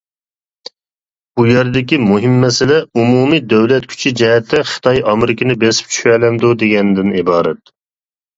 بۇ يەردىكى مۇھىم مەسىلە، ئومۇمىي دۆلەت كۈچى جەھەتتە خىتاي ئامېرىكىنى بېسىپ چۈشەلەمدۇ، دېگەندىن ئىبارەت.